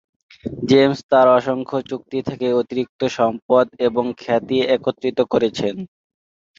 James তার অসংখ্য চুক্তি থেকে অতিরিক্ত সম্পদ এবং খ্যাতি একত্রিত করেছেন।